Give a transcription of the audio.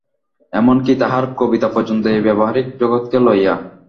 এমন কি, তাহার কবিতা পর্যন্ত এই ব্যাবহারিক জগৎকে লইয়া।